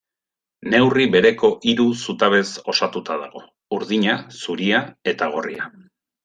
Neurri bereko hiru zutabez osatuta dago: urdina, zuria eta gorria.